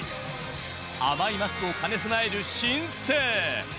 甘いマスクを兼ね備える新星。